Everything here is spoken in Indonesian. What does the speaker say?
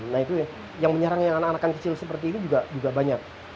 nah itu yang menyerang yang anak anakan kecil seperti itu juga banyak